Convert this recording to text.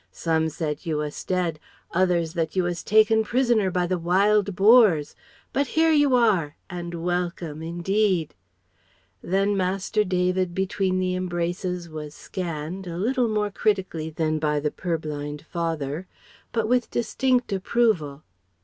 Some said you wass dead, others that you wass taken prisoner by the Wild Boars. But here you are, and welcome indeed " Then Master David between the embraces was scanned, a little more critically than by the purblind father, but with distinct approval.